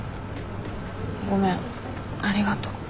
ごめんありがと。